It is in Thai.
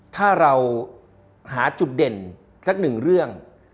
ถ้าเราหาจุดเด่นสักหนึ่งเรื่อง